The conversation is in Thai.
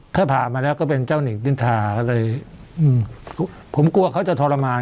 ถ้าผ่ามาแล้วก็เป็นเจ้านิกนินทาก็เลยผมกลัวเขาจะทรมาน